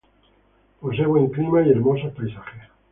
Posee buen clima y hermosos paisajes.